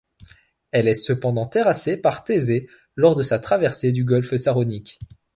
Elle est cependant terrassée par Thésée lors de sa traversée du golfe Saronique.